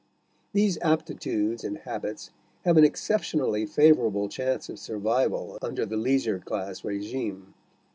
These aptitudes and habits have an exceptionally favorable chance of survival under the leisure class regime.